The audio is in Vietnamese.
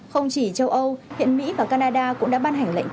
không chỉ châu âu hiện mỹ và canada cũng đã ban hành lệnh cấm tiktok